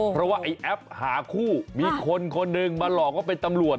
เพราะว่าไอ้แอปหาคู่มีคนคนหนึ่งมาหลอกว่าเป็นตำรวจ